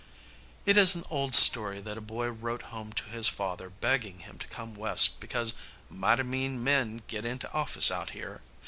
It is an old story that a boy wrote home to his father begging him to come West, because "mighty mean men get into office out here."